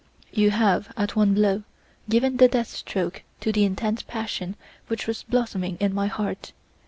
You have at one blow given the death stroke to the intense passion which was blossoming in my heart.